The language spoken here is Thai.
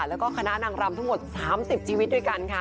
แล้วก็คณะนางรำทั้งหมด๓๐ชีวิตด้วยกันค่ะ